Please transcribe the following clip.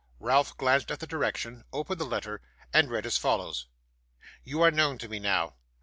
Ralph glanced at the direction, opened the letter, and read as follows: 'You are known to me now.